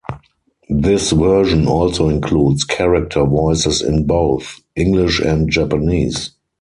This version also includes Character voices in both English and Japanese.